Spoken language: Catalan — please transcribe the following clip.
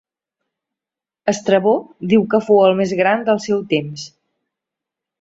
Estrabó diu que fou el més gran del seu temps.